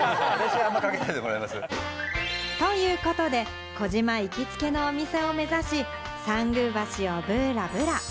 ということで、児嶋行きつけのお店を目指し、参宮橋をぶらぶら。